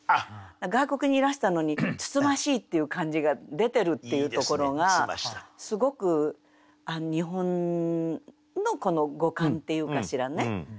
外国にいらしたのに「つつましい」っていう感じが出てるっていうところがすごく日本のこの語感っていうかしらね。